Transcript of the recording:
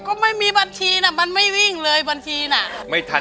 ก็ไม่มีบัญชีน่ะมันไม่วิ่งเลยบัญชีน่ะไม่ทัน